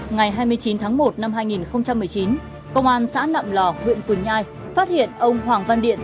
ngày hai mươi chín tháng một năm hai nghìn một mươi chín công an xã nậm lò huyện quỳnh nhai phát hiện ông hoàng văn điện